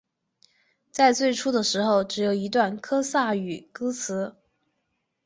在最初的时候只有一段科萨语歌词。